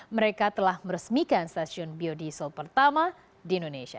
mereka telah meresmikan stasiun biodiesel pertama di indonesia